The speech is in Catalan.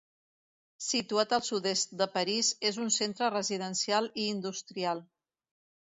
Situat al sud-est de París, és un centre residencial i industrial.